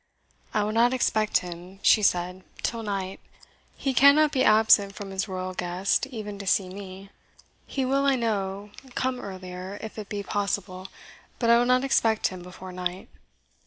"I will not expect him," she said, "till night; he cannot be absent from his royal guest, even to see me. He will, I know, come earlier if it be possible, but I will not expect him before night."